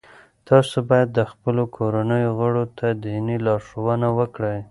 تاسو باید د خپلو کورنیو غړو ته دیني لارښوونه وکړئ.